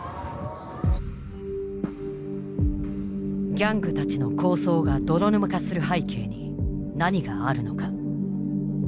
ギャングたちの抗争が泥沼化する背景に何があるのか。